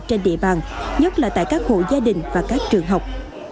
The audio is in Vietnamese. trên địa bàn nhất là tại các hộ gia đình và các trường học